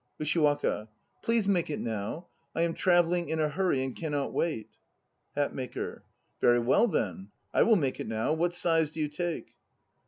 USHIWAKA. Please make it now. I am travelling in a hurry and cannot wait. HATMAKER. Very well then; I will make it now. What size do you take?